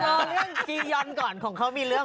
เดี๋ยวรอเรื่องกียอนก่อนของเขามีเรื่อง